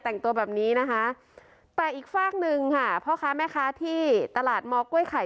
แต่งตัวแบบนี้นะคะแต่อีกฝากหนึ่งค่ะพ่อค้าแม่ค้าที่ตลาดมกล้วยไข่